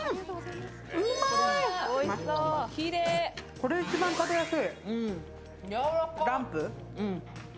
これ一番食べやすい。